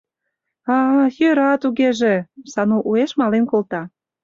— А-а, йӧра тугеже, — Сану уэш мален колта.